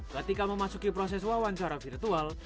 ketika memasuki proses wawancara virtual